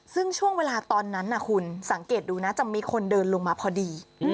ซึ่งช่วงเวลาตอนนั้นคุณสังเกตดูนะจะมีคนเดินลงมาพอดี